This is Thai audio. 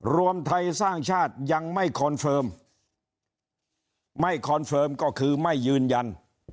รวมไทยสร้างชาติยังไม่คอนเฟิร์มไม่คอนเฟิร์มก็คือไม่ยืนยัน